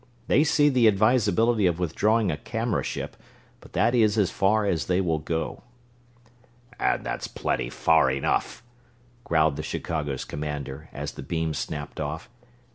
They see the advisability of withdrawing a camera ship, but that is as far as they will go." "And that's plenty far enough!" growled the Chicago's commander, as the beam snapped off. "Mr.